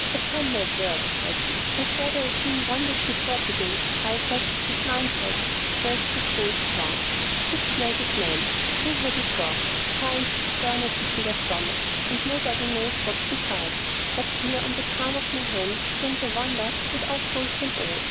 "Upon my word," cried he, "I thought I had seen wonders before to day hydras with nine heads, stags with golden horns, six legged men, three headed dogs, giants with furnaces in their stomachs, and nobody knows what besides. But here, on the palm of my hand, stands a wonder that outdoes them all!